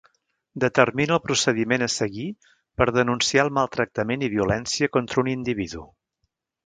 Determina el procediment a seguir per denunciar el maltractament i violència contra un individu.